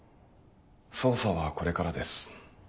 捜査はこれからです。